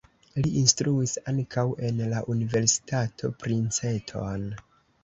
Li instruis ankaŭ en la Universitato Princeton.